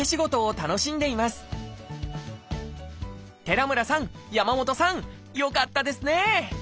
寺村さん山本さんよかったですね！